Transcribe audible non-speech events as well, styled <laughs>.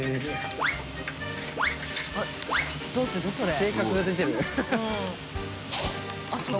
性格が出てる <laughs>